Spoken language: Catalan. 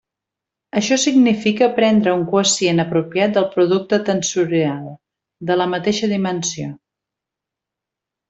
Això significa prendre un quocient apropiat del producte tensorial, de la mateixa dimensió.